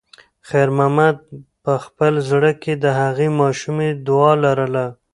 خیر محمد په خپل زړه کې د هغې ماشومې دعا لرله.